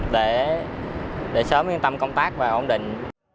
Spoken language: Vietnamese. để sớm yên tâm công tác và ổn định